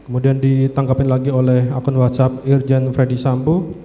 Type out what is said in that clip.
kemudian ditanggapin lagi oleh akun whatsapp irjen freddy sambu